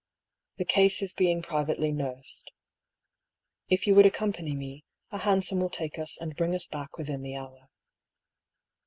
"The case is being privately nursed. If you would accompany me, a hansom will take us and bring us back within the hour."